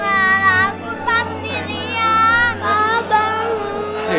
aduh sabar ya